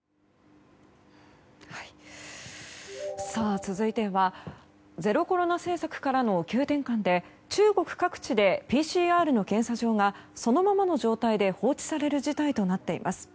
続いてはゼロコロナ政策からの急転換で中国各地でＰＣＲの検査場がそのままの状態で放置される事態となっています。